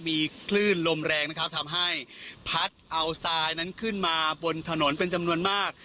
มีคลื่นลมแรงนะครับทำให้พัดเอาทรายนั้นขึ้นมาบนถนนเป็นจำนวนมาก